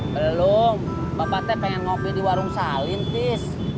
belum bapak t pengen ngopi di warung salin tis